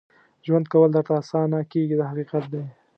ژوند کول درته اسانه کېږي دا حقیقت دی.